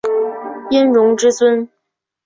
殷融之孙。